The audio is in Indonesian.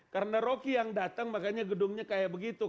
karena roky yang datang makanya gedungnya kayak begitu